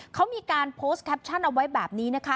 เขามีการโพสต์แคปชั่นเอาไว้แบบนี้นะคะ